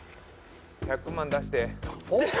１００万出して。